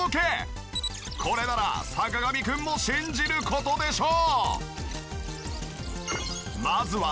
これなら坂上くんも信じる事でしょう。